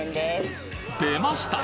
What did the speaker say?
出ました！